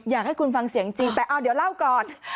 อยากให้คุณฟังเสียงจริงแต่เอาเดี๋ยวเล่าก่อน